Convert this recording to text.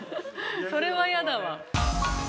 ◆それはやだわ。